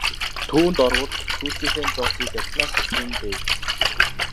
Түүнд орвол сүүлчийнхээ зоосыг архинаас өгсөн нь дээр!